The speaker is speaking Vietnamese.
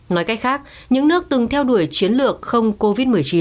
nói cách khác những nước từng theo đuổi chiến lược không covid một mươi chín